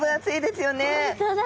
本当だ。